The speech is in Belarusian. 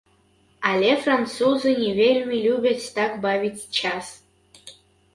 Але французы не вельмі любяць так бавіць час.